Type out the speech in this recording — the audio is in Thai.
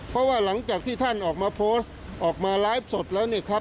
เพราะว่าหลังจากที่ท่านออกมาโพสต์ออกมาไลฟ์สดแล้วเนี่ยครับ